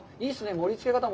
盛りつけ方も。